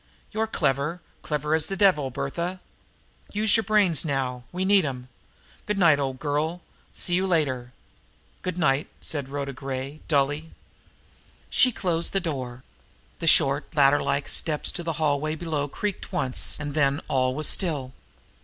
"You're clever, clever as the devil, Bertha. Use your brains now we need 'em. Good night, old girl. See you later." "Good night," said Rhoda Gray dully. The door closed. The short, ladder like steps to the hallway below creaked once, and then all was still.